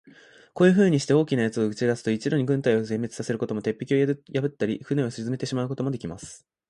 こういうふうにして、大きな奴を打ち出すと、一度に軍隊を全滅さすことも、鉄壁を破ったり、船を沈めてしまうこともできます。